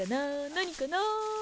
何かな？